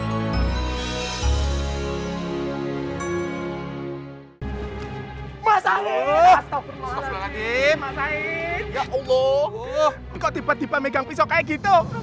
hai masalah astaghfirullahaladzim ya allah kok tiba tiba megang pisau kayak gitu